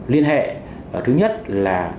liên hệ thứ nhất là